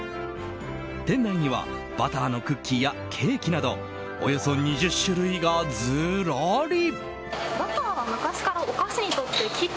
店内にはバターのクッキーやケーキなどおよそ２０種類がずらり。